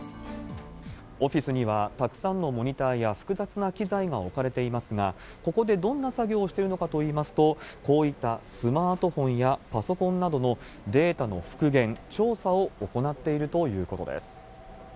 オフィスにはたくさんのモニターや複雑な機材が置かれていますが、ここでどんな作業をしているのかといいますと、こういったスマートフォンやパソコンなどのデータの復元、調査を行っているということです。